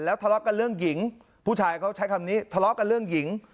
ทะเลาะกันเรื่องหญิงผู้ชายเขาใช้คำนี้ทะเลาะกันเรื่องหญิง